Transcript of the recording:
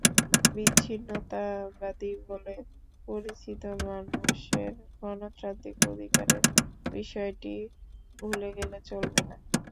বিচ্ছিন্নতাবাদী বলে পরিচিত মানুষের গণতান্ত্রিক অধিকারের বিষয়টি ভুলে গেলে চলবে না।